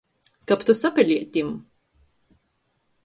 Kab tu sapelietim!